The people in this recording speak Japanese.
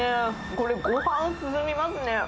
これ、ごはん進みますね。